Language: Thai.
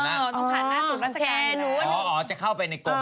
ต้องผ่านมาสูงรัฐสการอยู่ไหนอ๋อจะเข้าไปในกรม